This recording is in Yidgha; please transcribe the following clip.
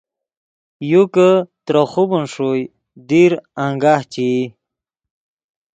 یو کہ ترے خوبن ݰوئے دیر انگاہ چے ای